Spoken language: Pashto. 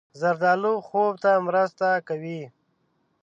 زردالو خوب ته مرسته کوي.